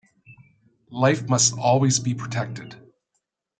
Life must always be protected.